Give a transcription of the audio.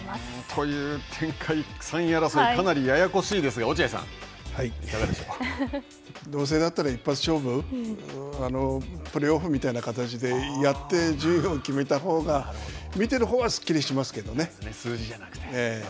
という展開、３位争い、かなりややこしいですが、落合さん、どうせだったら一発勝負、プレーオフみたいな形でやって順位を決めたほうが、見てるほう数字じゃなくて。